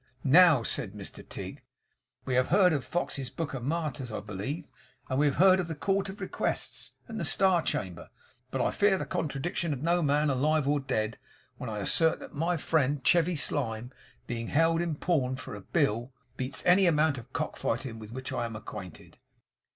Now,' said Mr Tigg, 'we have heard of Fox's Book of Martyrs, I believe, and we have heard of the Court of Requests, and the Star Chamber; but I fear the contradiction of no man alive or dead, when I assert that my friend Chevy Slyme being held in pawn for a bill, beats any amount of cockfighting with which I am acquainted.